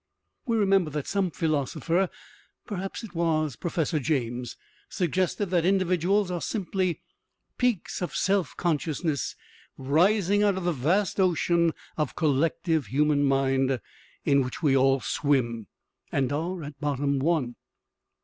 We remember that some philosopher, perhaps it was Professor James, suggested that individuals are simply peaks of self consciousness rising out of the vast ocean of collective human Mind in which we all swim, and are, at bottom, one.